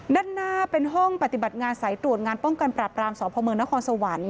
ด้านหน้าเป็นห้องปฏิบัติงานสายตรวจงานป้องกันปรับรามสพเมืองนครสวรรค์